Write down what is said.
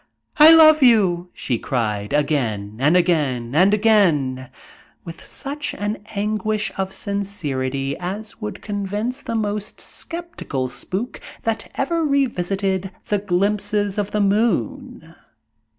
"I love you," she cried, again and again and again, with such an anguish of sincerity as would convince the most skeptical spook that ever revisited the glimpses of the moon.